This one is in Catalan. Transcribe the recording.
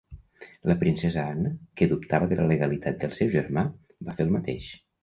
La princesa Anna, que dubtava de la legalitat del seu germà, va fer el mateix.